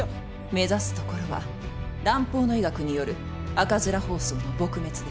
目指すところは蘭方の医学による赤面疱瘡の撲滅です。